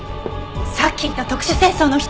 さっきいた特殊清掃の人！